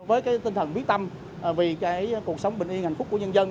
với tinh thần biết tâm vì cuộc sống bình yên hạnh phúc của nhân dân